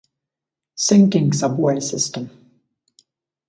Sinking Subway System!